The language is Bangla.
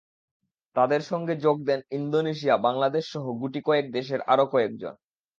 তাঁদের সঙ্গে যোগ দেন ইন্দোনেশিয়া, বাংলাদেশসহ গুটি কয়েক দেশের আরও কয়েকজন।